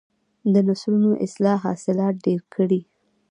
د نسلونو اصلاح حاصلات ډیر کړي.